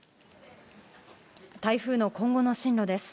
台風の今後の進路です。